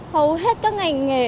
hầu hết các ngành nghề